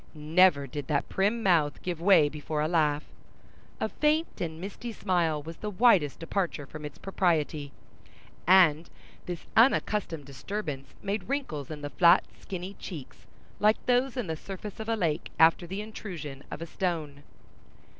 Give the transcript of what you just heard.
Never did that prim mouth give way before a laugh. A faint and misty smile was the widest departure from its propriety, and this unaccustomed disturbance made wrinkles in the flat, skinny cheeks like those in the surface of a lake, after the intrusion of a stone.